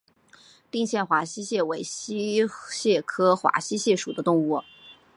定县华溪蟹为溪蟹科华溪蟹属的动物。